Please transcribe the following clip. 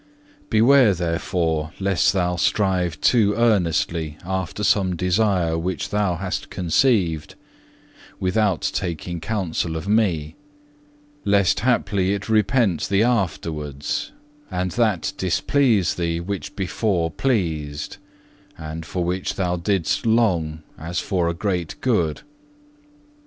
4. "Beware, therefore, lest thou strive too earnestly after some desire which thou hast conceived, without taking counsel of Me; lest haply it repent thee afterwards, and that displease thee which before pleased, and for which thou didst long as for a great good.